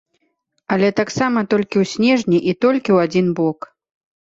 Але таксама толькі ў снежні і толькі ў адзін бок.